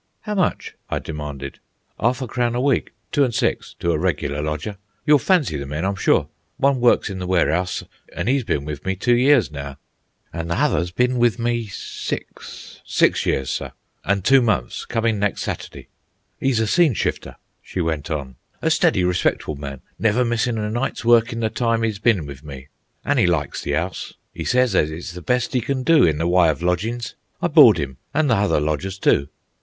"How much?" I demanded. "'Arf a crown a week, two an' six, to a regular lodger. You'll fancy the men, I'm sure. One works in the ware'ouse, an' 'e's been with me two years now. An' the hother's bin with me six—six years, sir, an' two months comin' nex' Saturday. 'E's a scene shifter," she went on. "A steady, respectable man, never missin' a night's work in the time 'e's bin with me. An' 'e likes the 'ouse; 'e says as it's the best 'e can do in the w'y of lodgin's. I board 'im, an' the hother lodgers too."